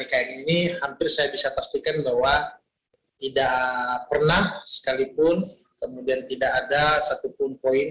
kayak gini hampir saya bisa pastikan bahwa tidak pernah sekalipun kemudian tidak ada satupun poin